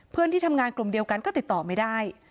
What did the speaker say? เพื่อนที่ทำงานกลุ่มเดียวกันก็ติดต่อไม่ได้